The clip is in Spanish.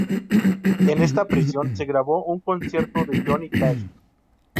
En esta prisión se grabó un concierto de Johnny Cash.